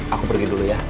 aku pergi dulu ya